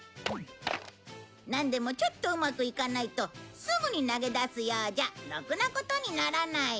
なんでもちょっとうまくいかないとすぐに投げ出すようじゃろくなことにならない！